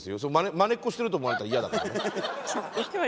まねっこしてると思われたら嫌だからね。